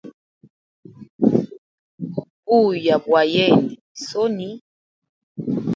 Buya bwa yende ni soni.